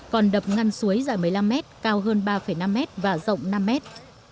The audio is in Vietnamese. còn đập ngăn suối dài một mươi năm mét cao hơn ba năm mét và rộng năm mét